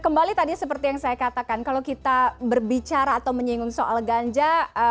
kembali tadi seperti yang saya katakan kalau kita berbicara atau menyinggung soal ganja